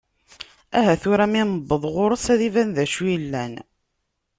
Aha tura, mi neweḍ ɣer-s ad iban d acu yellan.